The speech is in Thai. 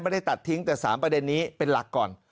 ไม่ได้ตัดทิ้งแต่๓ประเด็นนี้เป็นหลักก่อน